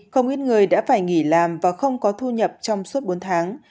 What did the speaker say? không ít người đã phải nghỉ làm và không có thu nhập trong suốt bốn tháng